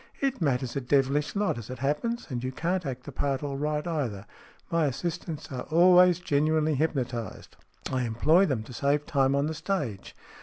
" It matters a devilish lot, as it happens. And you can't act the part all right, either. My assistants are always genuinely hypnotized. I employ them to save time on the stage.